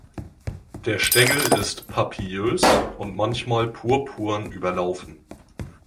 Der Stängel ist papillös und manchmal purpurn überlaufen.